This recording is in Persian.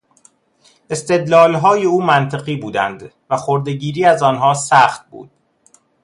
استدلالهای او منطقی بودند و خردهگیری از آنها سخت بود.